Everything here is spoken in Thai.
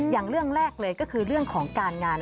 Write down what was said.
อย่างเรื่องแรกเลยก็คือเรื่องของการงาน